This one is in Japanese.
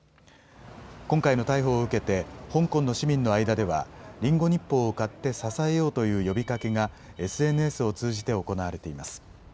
今回の逮捕を受けて香港の市民の間ではリンゴ日報を買って支えようという呼びかけがＳＮＳを通じて行われています。